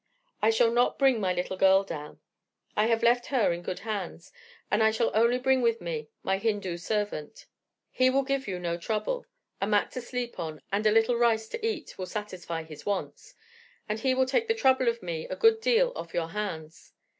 I shall not bring my little girl down; I have left her in good hands, and I shall only bring with me my Hindoo servant. He will give you no trouble a mat to sleep on, and a little rice to eat, will satisfy his wants; and he will take the trouble of me a good deal off your hands.